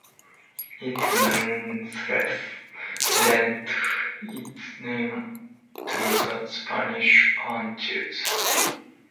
It nonetheless lent its name to the Spanish Antilles.